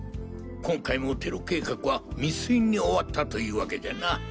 今回もテロ計画は未遂に終わったというわけじゃな。